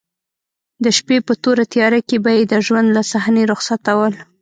د شپې په توره تیاره کې به یې د ژوند له صحنې رخصتول.